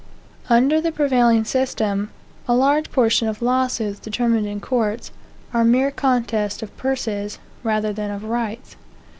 Under the prevailing system, a large portion of the lawsuits determined in courts, are mere contests of purses rather than of rights.